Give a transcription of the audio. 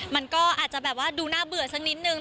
มันก็อาจจะแบบว่าดูน่าเบื่อสักนิดนึง